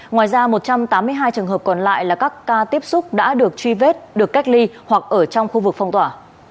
ngoài ra một trăm tám mươi hai trường hợp còn lại là các ca tiếp xúc đã được truy vết được cách ly hoặc ở trong khu vực phong tỏa